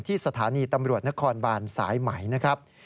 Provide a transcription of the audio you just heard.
สถานีตำรวจนครบานสายไหมนะครับ